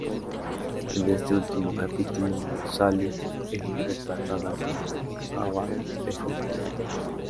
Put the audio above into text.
En este último capítulo, Sally es retratada como Jabba the Hutt.